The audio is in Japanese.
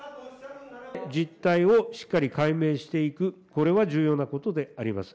実態をしっかり解明していく、これは重要なことであります。